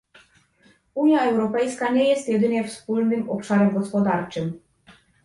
Unia Europejska nie jest jedynie wspólnym obszarem gospodarczym